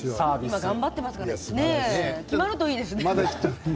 今頑張っていますからね決まるといいですね。